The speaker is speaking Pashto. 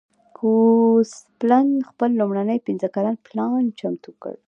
ګوسپلن خپل لومړنی پنځه کلن پلان چمتو کړ